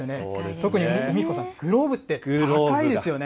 特に海彦さん、グローブって高いですよね。